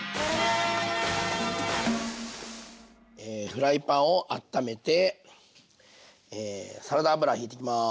フライパンをあっためてサラダ油ひいていきます。